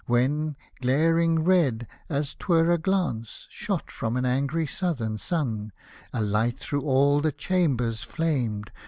When, glaring red, as 'twere a glance Shot from an angry Southern sun, A light through all the chambers flamed.